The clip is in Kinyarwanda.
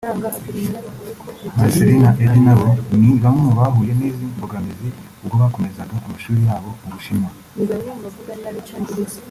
Marcellin na Eddy nabo ni bamwe mu bahuye n’izi mbogamizi ubwo bakomezaga amashuli yabo mu Bushinwa